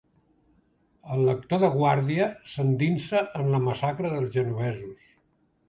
El lector de guàrdia s'endinsa en la massacre dels genovesos.